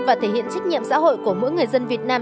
và thể hiện trách nhiệm xã hội của mỗi người dân việt nam